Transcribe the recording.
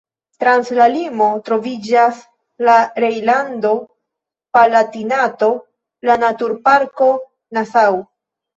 Trans la limo troviĝas en Rejnlando-Palatinato la Naturparko Nassau.